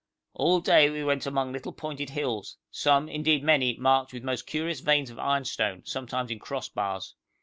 All day we went among little pointed hills, some, indeed many, marked with most curious veins of ironstone, sometimes in cross bars.